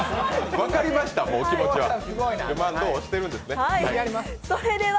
分かりました、もう気持ちは。